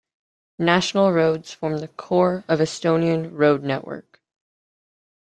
National roads form the core of Estonian road network.